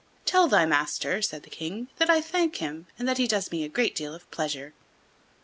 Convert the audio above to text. "Tell thy master," said the king, "that I thank him and that he does me a great deal of pleasure."